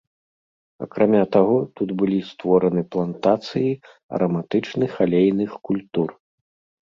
Акрамя таго, тут былі створаны плантацыі араматычных алейных культур.